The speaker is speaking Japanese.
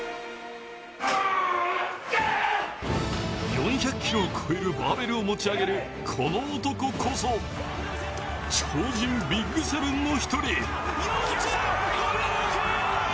４００ｋｇを超えるバーベルを持ち上げる、この男こそ、超人ＢＩＧ７の一人。